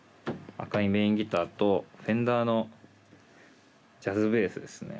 赤いメインギターとフェンダーのジャズベースですね。